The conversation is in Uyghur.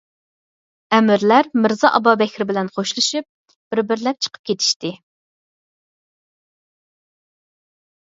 ئەمىرلەر مىرزا ئابابەكرى بىلەن خوشلىشىپ بىر-بىرلەپ چىقىپ كېتىشتى.